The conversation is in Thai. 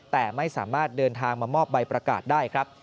แต่ไม่สามารถเดินทางมามอบใบประกาศได้ครับ